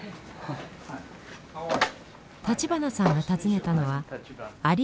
立花さんが訪ねたのはアリ・